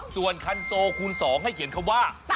ส่วนคันโซคูณ๒ให้เขียนคำว่า